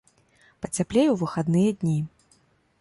Пацяплее ў выхадныя дні.